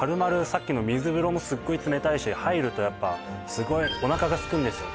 さっきの水風呂もすっごい冷たいし入るとやっぱすごいおなかがすくんですよ